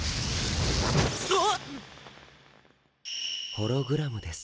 ホログラムです。